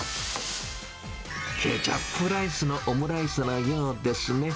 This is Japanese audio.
ケチャップライスのオムライスなようですね。